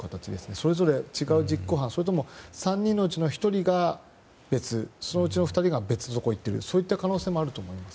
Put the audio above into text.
それぞれ違う実行犯それとも３人のうちの１人が共通そのうちの２人が別のところにいっている可能性もあると思います。